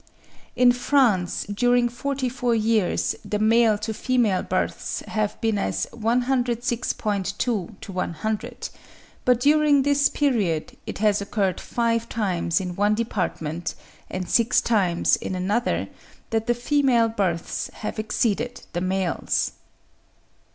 In France during forty four years the male to the female births have been as 106.2 to 100; but during this period it has occurred five times in one department, and six times in another, that the female births have exceeded the males.